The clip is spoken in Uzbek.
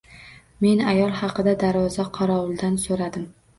Men ayol haqida darvoza qorovulidan so‘radim.